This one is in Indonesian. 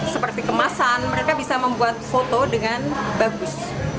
seperti kemasan mereka bisa membuat foto dengan bagus